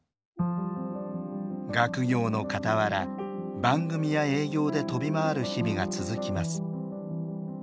学業のかたわら番組や営業で飛び回る日々が続きます。